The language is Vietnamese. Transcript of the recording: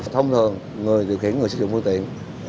thông thường người điều khiển người sử dụng phương tiện